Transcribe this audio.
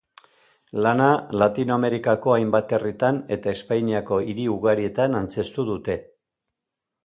Lana Latinoamerikako hainbat herritan eta Espainiako hiri ugarietan antzeztu dute.